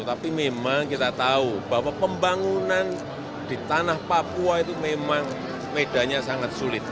tapi memang kita tahu bahwa pembangunan di tanah papua itu memang medanya sangat sulit